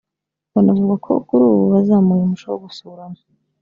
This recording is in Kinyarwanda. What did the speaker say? Banavuga ko kuri ubu bazamuye umuco wo gusurana